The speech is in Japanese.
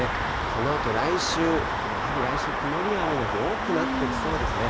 そのあと来週、やはり来週曇りや雨の日、多くなってきそうですね。